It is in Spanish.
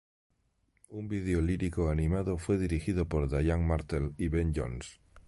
Un vídeo lírico animado fue dirigido por Diane Martel y Ben Jones.